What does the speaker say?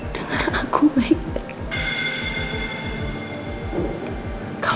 dengar aku baik baik